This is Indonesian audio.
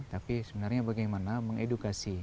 tapi sebenarnya bagaimana mengedukasi